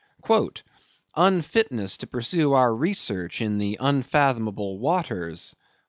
"Unfitness to pursue our research in the unfathomable waters."